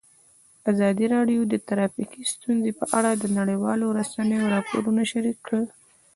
ازادي راډیو د ټرافیکي ستونزې په اړه د نړیوالو رسنیو راپورونه شریک کړي.